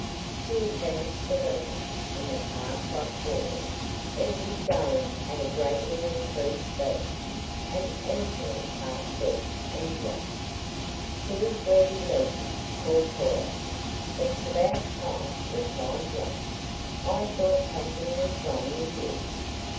She advanced the lever, and the car shot forward. It was going at a greatly increased speed, and easily passed Bess and Jack. "Here's where we leave you," called Cora. "It's about time," replied Jack. "I thought something was wrong with you.